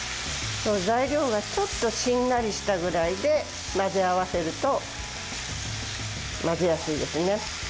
材料がちょっとしんなりしたぐらいで混ぜ合わせると混ぜやすいですね。